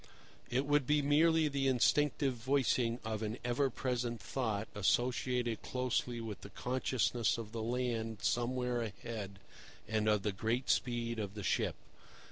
It would be merely the instinctive voicing of an ever present thought associated closely with the consciousness of the land somewhere ahead and of the great speed of the ship.